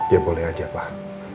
ya boleh aja pak